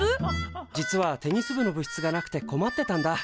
実はテニス部の部室がなくて困ってたんだ。